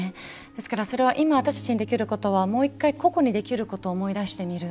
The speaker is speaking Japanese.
ですから、それは今私たちにできることはもう１回、個々にできることを思い出してみる。